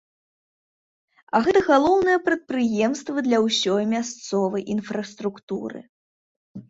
А гэта галоўныя прадпрыемствы для ўсёй мясцовай інфраструктуры.